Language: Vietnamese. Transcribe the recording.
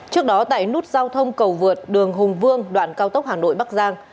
trước đó tại nút giao thông cầu vượt đường hùng vương đoạn cao tốc hà nội bắc giang